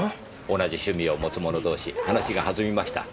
同じ趣味を持つ者同士話が弾みました。